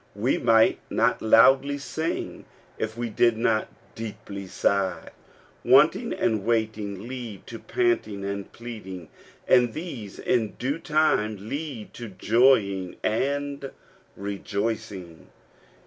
We might not loudly sing if we did not deeply sigh. Wanting and waiting lead to panting and pleading ; and these in due time lead to joying and rejoicing.